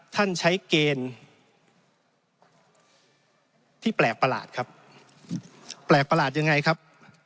ท่านใช้เกณฑ์ที่แปลกประหลาดครับแปลกประหลาดยังไงครับ